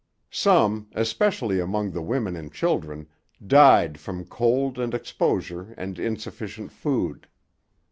Some, especially among the women and children, died from cold and exposure and insufficient food.